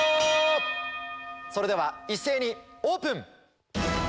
それでは一斉にオープン。